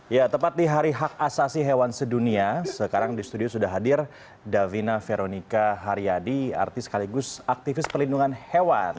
ya tepat di hari hak asasi hewan sedunia sekarang di studio sudah hadir davina veronica haryadi artis sekaligus aktivis pelindungan hewan